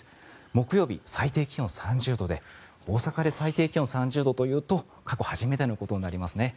木曜日、最低気温３０度で大阪で最低気温３０度というと過去初めてのことになりますね。